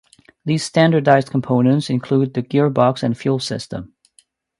These standardised components include the gearbox and fuel system.